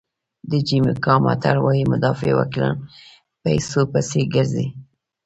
د جمیکا متل وایي مدافع وکیلان پیسو پسې ګرځي.